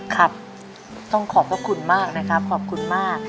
ครับต้องขอบพระคุณมากนะครับขอบคุณมาก